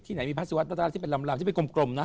ไหนมีพระสุวรรษาที่เป็นลำที่เป็นกลมนะ